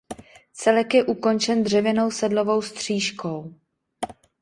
Celek je ukončen dřevěnou sedlovou stříškou.